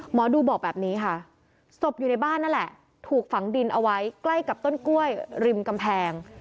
หมอดูบอกแบบนี้ค่ะศพอยู่ในบ้านนั่นแหละถูกฝังดินเอาไว้ใกล้กับต้นกล้วยริมกำแพง